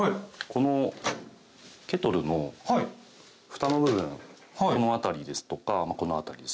このケトルのふたの部分この辺りですとかこの辺りですね。